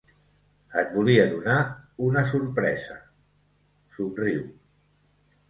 Et volia donar una sorpresa —somriu—.